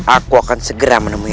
aku akan segera menemui